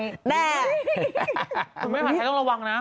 ไม่ว่าใครต้องระวังนะ